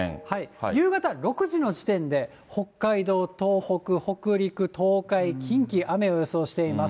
夕方６時の時点で、北海道、東北、北陸、東海、近畿、雨を予想しています。